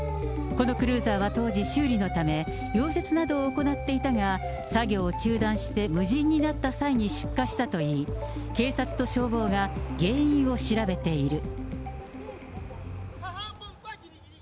このクルーザーは当時、修理のため、溶接などを行っていたが、作業を中断して無人になった際に出火したといい、警察と消防が原因を調べている。